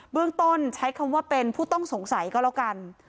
เรื่องต้นใช้คำว่าเป็นผู้ต้องสงสัยก็แล้วกัน